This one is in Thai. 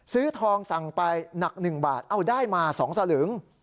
ซื้อทองสั่งไปหนัก๑บาทเอาได้มา๒สลึง